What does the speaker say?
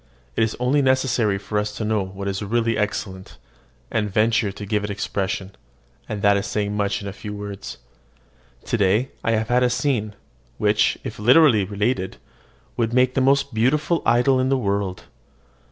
It is only necessary for us to know what is really excellent, and venture to give it expression; and that is saying much in few words. To day I have had a scene, which, if literally related, would, make the most beautiful idyl in the world.